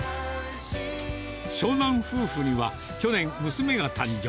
長男夫婦には、去年、娘が誕生。